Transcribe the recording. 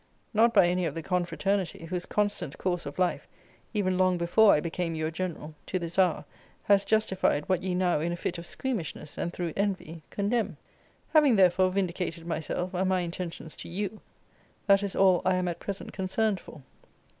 Not by any of the confraternity, whose constant course of life, even long before I became your general, to this hour, has justified what ye now in a fit of squeamishness, and through envy, condemn. Having, therefore, vindicated myself and my intentions to YOU, that is all I am at present concerned for.